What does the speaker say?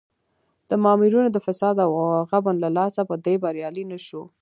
د مامورینو د فساد او غبن له لاسه په دې بریالی نه شو.